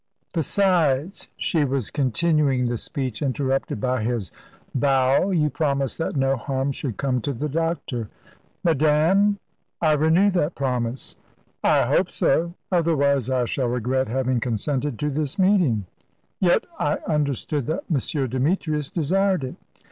"Besides" she was continuing the speech interrupted by his bow "you promised that no harm should come to the doctor." "Madame, I renew that promise." "I hope so; otherwise, I shall regret having consented to this meeting." "Yet I understood that M. Demetrius desired it."